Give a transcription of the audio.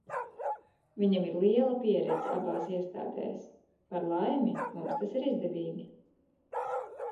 Viņam ir liela pieredze abās iestādēs, par laimi, mums tas ir izdevīgi.